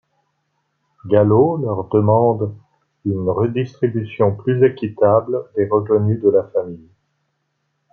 Gallo leur demande une redistribution plus équitable des revenus de la famille.